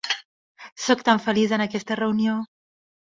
Soc tan feliç en aquesta reunió!